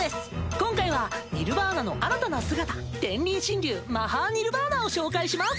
今回はニルヴァーナの新たな姿天輪真竜マハーニルヴァーナを紹介します！